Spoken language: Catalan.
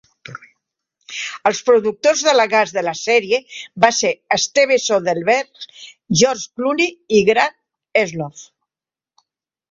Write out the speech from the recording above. Els productors delegats de la sèrie va ser Steven Soderbergh, George Clooney i Grant Heslov.